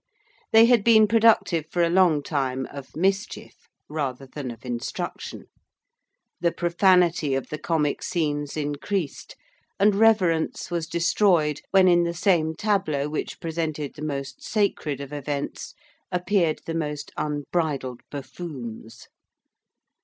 They had been productive for a long time of mischief rather than of instruction. The profanity of the comic scenes increased: and reverence was destroyed when in the same tableau which presented the most sacred of events appeared the most unbridled buffoons.